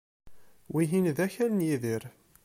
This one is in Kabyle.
Wihin d akal n Yidir.